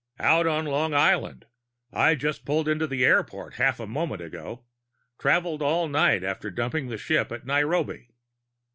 "Out on Long Island. I just pulled into the airport half a moment ago. Traveled all night after dumping the ship at Nairobi."